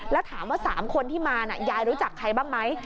แล้วถามว่า๓คนที่มายายรู้จักใครบ้างไหม